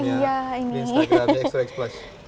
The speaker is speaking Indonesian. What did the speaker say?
di instagramnya x dua x plus